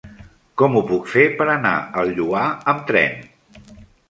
Com ho puc fer per anar al Lloar amb tren?